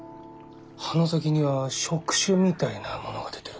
葉の先には触手みたいなものが出てる。